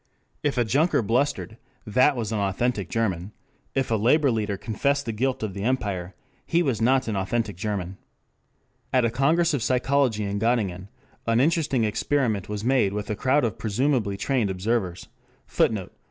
If a junker blustered, that was an authentic German; if a labor leader confessed the guilt of the empire, he was not an authentic German. At a Congress of Psychology in Göttingen an interesting experiment was made with a crowd of presumably trained observers. [Footnote: A.